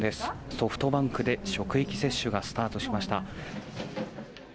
ソフトバンクで職域接種がスタートしました。